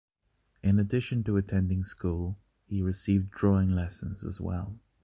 In addition to attending school, he received drawing lessons as well.